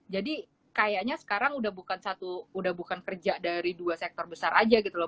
jadi kayaknya sekarang udah bukan satu udah bukan kerja dari dua sektor besar aja gitu loh